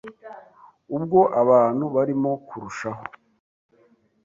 ubwo abantu barimo kurushaho